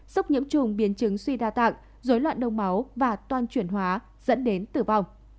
sốc nhiễm trùng biến chứng suy đa tạng dối loạn đông máu và toan chuyển hóa dẫn đến tử vong